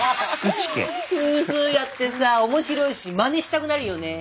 フースーヤってさ面白いしまねしたくなるよね。